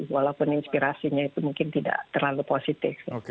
walaupun inspirasinya itu mungkin tidak terlalu positif